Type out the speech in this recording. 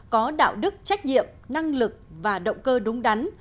có đạo đức trách nhiệm năng lực và động cơ đúng đắn